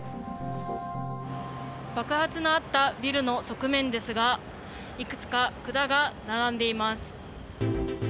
爆発のあったビルの側面ですがいくつか管が並んでいます。